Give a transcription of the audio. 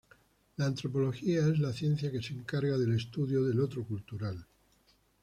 La antropología es la ciencia que se encarga del estudio del otro cultural.